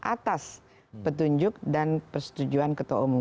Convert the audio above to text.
atas petunjuk dan persetujuan ketua umum